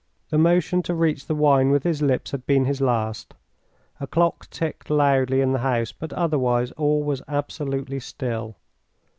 That motion to reach the wine with his lips had been his last. A clock ticked loudly in the house, but otherwise all was absolutely still.